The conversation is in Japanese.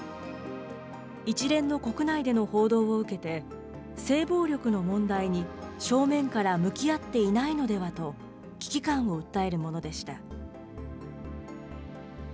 一連の国内での報道を受けて、性暴力の問題に正面から向き合っていないのではと、危機感を訴えるものでした。